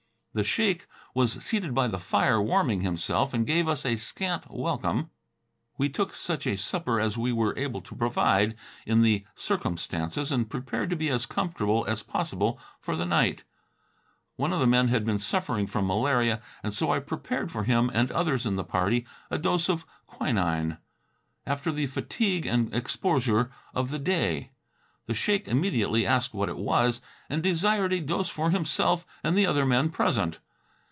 The sheik was seated by the fire, warming himself, and gave us a scant welcome. We took such a supper as we were able to provide in the circumstances, and prepared to be as comfortable as possible for the night. One of the men had been suffering from malaria and so I prepared for him, and others in the party, a dose of quinine, after the fatigue and exposure of the day. The sheik immediately asked what it was, and desired a dose for himself and the other men present.